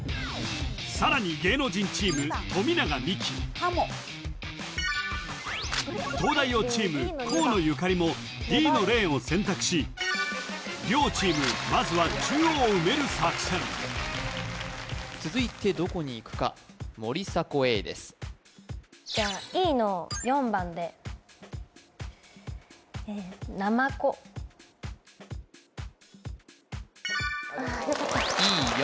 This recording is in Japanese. さらに芸能人チーム富永美樹東大王チーム河野ゆかりもＤのレーンを選択し両チームまずは中央を埋める作戦続いてどこにいくか森迫永依ですじゃあＥの４番でああよかったＥ４